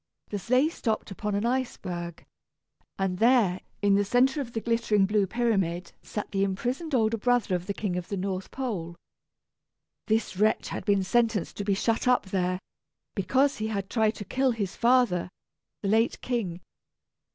The sleigh stopped upon an iceberg, and there in the centre of the glittering blue pyramid sat the imprisoned older brother of the King of the North Pole. This wretch had been sentenced to be shut up there, because he had tried to kill his father, the late King.